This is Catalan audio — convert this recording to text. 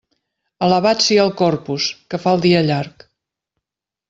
Alabat siga el Corpus, que fa el dia llarg.